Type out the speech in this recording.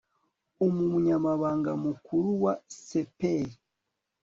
umunyamabanga mukuru wa c p r